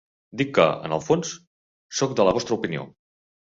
Dic que, en el fons, sóc de la vostra opinió.